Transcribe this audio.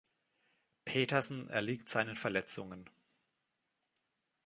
Peterson erliegt seinen Verletzungen.